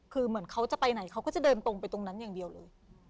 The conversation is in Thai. คือเหมือนเขาจะไปไหนเขาก็จะเดินตรงไปตรงนั้นอย่างเดียวเลย